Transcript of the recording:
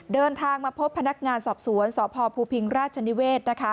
เดินทางมาพบพนักงานสอบสวนสพภูพิงราชนิเวศ